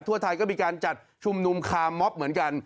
ทั่วไทยก็มีการจัดชุมนุมคาร์มอบเหมือนกัน